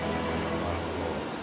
なるほど。